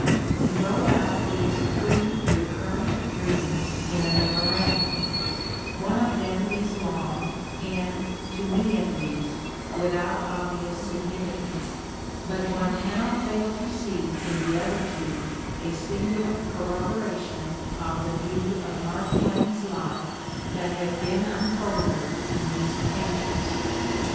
He wrote out these "three recurrent dreams" in a memorandum: one of them is long and, to me at least, without obvious sig nificance, but one cannot fail to see in the other two a singular corroboration of the view of Mark Twain's life that has been unfolded in these pages.